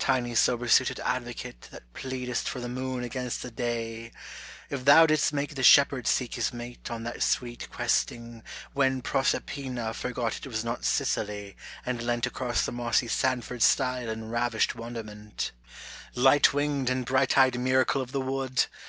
tiny sober suited advocate That pleadest for the moon against the day 1 If thou didst make the shepherd seek his mate On that sweet questing, when Proserpina Forgot it was not Sicily and leant Across the mossy Sandford stile in ravished wonder ment, — light winged and bright eyed miracle of the wood